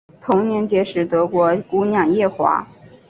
同年结识德国姑娘叶华。